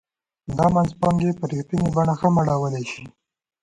دا منځپانګې په رښتینې بڼه هم اړولای شي